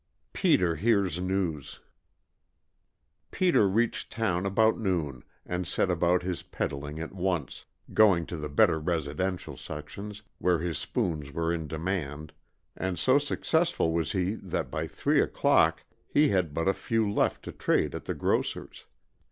PETER HEARS NEWS PETER reached town about noon, and set about his peddling at once, going to the better residential sections, where his spoons were in demand, and so successful was he that by three o'clock he had but a few left to trade at the grocer's.